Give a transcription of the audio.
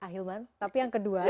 akhilman tapi yang kedua